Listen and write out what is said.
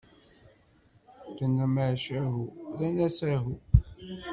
Tenna: "Macahu!" Rran-as: "Ahu."